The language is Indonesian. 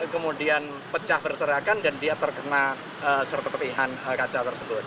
kemudian pecah berserakan dan dia terkena sepertipihan kaca tersebut